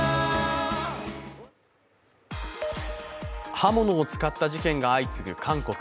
刃物を使った事件が相次ぐ韓国。